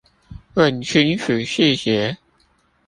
問清楚細節